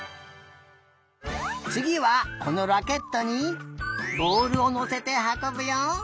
つぎはこのラケットにぼおるをのせてはこぶよ！